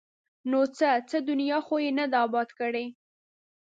ـ نو څه؟ څه دنیا خو یې نه ده اباد کړې!